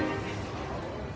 kau sudah selesai mencari ethan